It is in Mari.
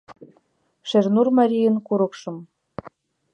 Шернур марийын курыкшым